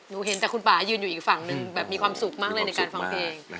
เห็นแต่คุณป่ายืนอยู่อีกฝั่งนึงแบบมีความสุขมากเลยในการฟังเพลง